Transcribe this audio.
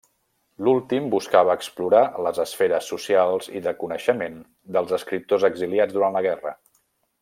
L'últim buscava explorar les esferes socials i de coneixement dels escriptors exiliats durant la guerra.